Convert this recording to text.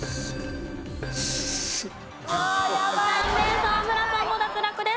沢村さんも脱落です。